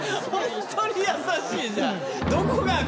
本当に優しいじゃん！